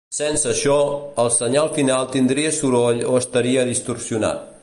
Sense això, el senyal final tindria soroll o estaria distorsionat.